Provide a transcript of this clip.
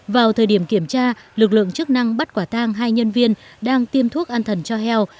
vào thời điểm kiểm tra lực lượng chức năng bắt quả tang hai nhân viên đang tiêm thuốc an thần cho heo